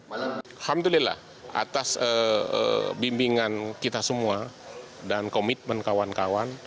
alhamdulillah atas bimbingan kita semua dan komitmen kawan kawan